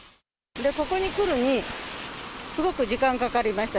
ここに来るのにすごく時間かかりました。